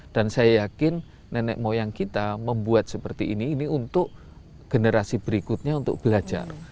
dan saya yakin nenek moyang kita membuat seperti ini untuk generasi berikutnya untuk belajar